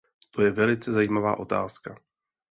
To je velice zajímavá otázka.